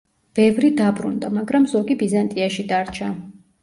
ბევრი დაბრუნდა, მაგრამ ზოგი ბიზანტიაში დარჩა.